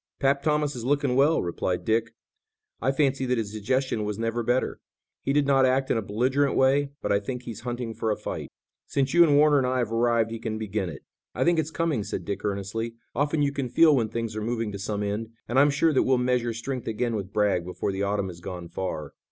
"'Pap' Thomas is looking well," replied Dick. "I fancy that his digestion was never better. He did not act in a belligerent way, but I think he's hunting for a fight." "Since you and Warner and I have arrived he can begin it." "I think it's coming," said Dick earnestly. "Often you can feel when things are moving to some end, and I'm sure that we'll measure strength again with Bragg before the autumn has gone far."